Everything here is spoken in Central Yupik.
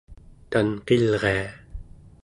tanqilria